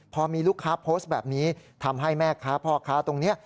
พอมีลูกค้าโพสต์แบบนี้ทำให้แม่ค้าพ่อค้าตรงนี้